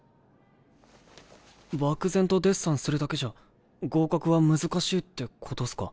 漠然とデッサンするだけじゃ合格は難しいってことっすか？